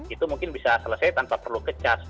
itu mungkin bisa selesai tanpa perlu ke cas